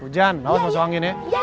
hujan mau masuk angin ya